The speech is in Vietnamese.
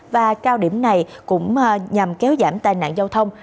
và cao điểm này cũng nhằm kéo giảm tai nạn giao thông